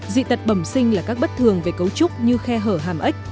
dị tật bẩm sinh là các bất thường về cấu trúc như khe hở hàm ếch